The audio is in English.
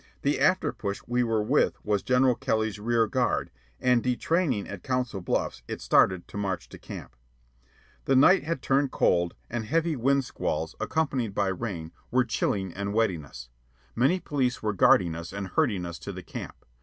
The after push we were with was General Kelly's rear guard, and, detraining at Council Bluffs, it started to march to camp. The night had turned cold, and heavy wind squalls, accompanied by rain, were chilling and wetting us. Many police were guarding us and herding us to the camp.